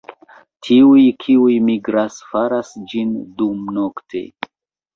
Tiuj kiuj migras faras ĝin dumnokte.